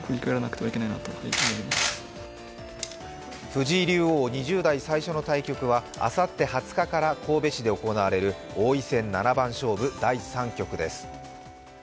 藤井竜王、２０代最初の対決はあさって２０日から神戸市で行われる王位戦七番勝負第３局です。